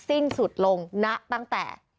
สิ้นสุดลงนะตั้งแต่